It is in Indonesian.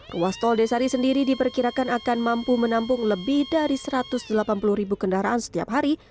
ruas tol desari sendiri diperkirakan akan mampu menampung lebih dari satu ratus delapan puluh ribu kendaraan setiap hari